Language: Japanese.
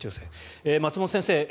松本先生